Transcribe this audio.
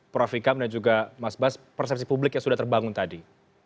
prof ikam dan juga mas bas persepsi publik yang sudah terbangun tadi